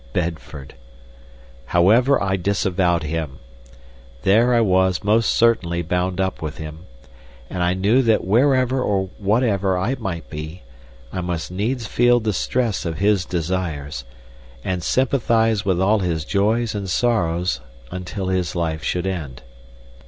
... Bedford! However I disavowed him, there I was most certainly bound up with him, and I knew that wherever or whatever I might be, I must needs feel the stress of his desires, and sympathise with all his joys and sorrows until his life should end.